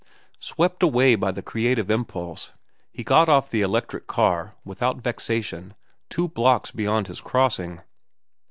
Swept away by the creative impulse, he got off the electric car, without vexation, two blocks beyond his crossing.